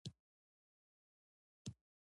مېوې د افغانستان د سیاسي جغرافیه یوه مهمه برخه ده.